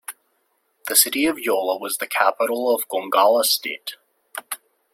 The city of Yola was the capital of Gongola State.